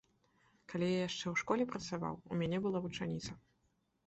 Калі я яшчэ ў школе працаваў, у мяне была вучаніца.